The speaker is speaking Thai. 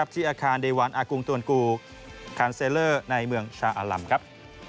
ที่อาคารเดวานอตุ๋นกูคันเซลเลอร์ในเมืองชาอลำ